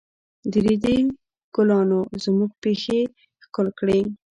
د ريدي ګلانو زموږ پښې ښکل کړې.